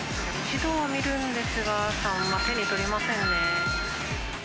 一度は見るんですが、サンマ、手に取りませんね。